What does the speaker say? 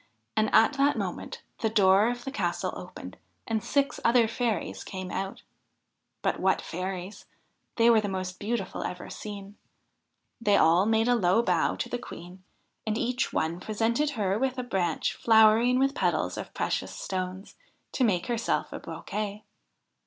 And at that moment the door of the castle opened and six other fairies came out. But what fairies 1 They were the most beautiful ever seen. They 46 THE HIND OF THE WOOD all made a low bow to the Queen, and each one presented her with a branch flowering with petals of precious stones, to make herself a bouquet.